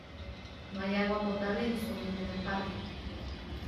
No hay agua potable disponible en el parque.